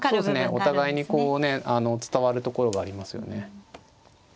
お互いにこうね伝わるところがありますよね。